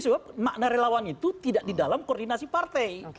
sebab makna relawan itu tidak di dalam koordinasi partai